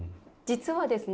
実はですね